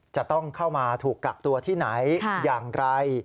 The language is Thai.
จะต้องเข้ามาถูกกักตัวที่ไหนอย่างไร